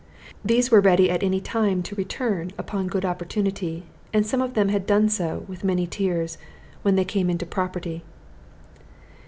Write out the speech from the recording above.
These were ready at any time to return upon good opportunity; and some of them had done so, with many tears, when they came into property.